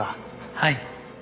はい。